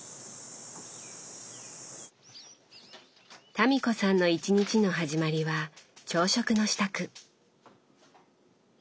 民子さんの１日の始まりは朝食の支度。